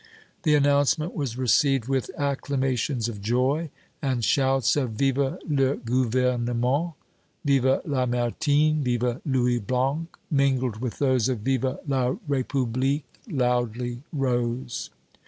The announcement was received with, acclamations of joy, and shouts of "Vive le Gouvernement!" "Vive Lamartine!" "Vive Louis Blanc!" mingled with those of "Vive la République!" loudly rose.